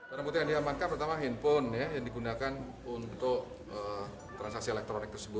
pertama tama handphone yang digunakan untuk transaksi elektronik tersebut